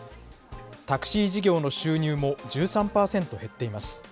タクシー事業の収入も１３％減っています。